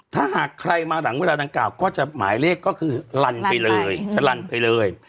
ถ้าหากใครมาหลังเวลาดังกล่าก็จะหมายเลขก็คือลันไปเลยชะลันไปเลย